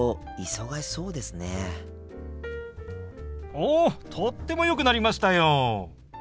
おとってもよくなりましたよ！